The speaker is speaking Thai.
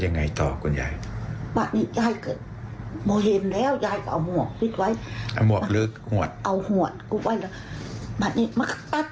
บ้านแห่งก็เรียกว่าสุนัขพิษบูร์ไว้๔ตัว